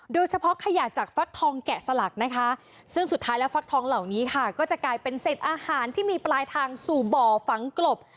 โดยเฉพาะขยะจากฟักทองแกะสลักนะคะซึ่งสุดท้ายแล้วฟักทองเหล่านี้ค่ะก็จะกลายเป็นเศษอาหารที่มีปลายทางสู่บ่อฝังกลบ